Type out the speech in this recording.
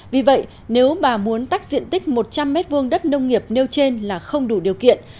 vì vậy nếu bà muốn tách diện tích một trăm linh m hai đất nông nghiệp nêu trên là không đủ điều kiện